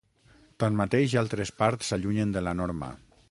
Tanmateix, altres parts s'allunyen de la norma.